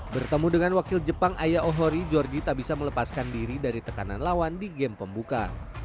bertemu dengan wakil jepang aya ohori georgie tak bisa melepaskan diri dari tekanan lawan di game pembuka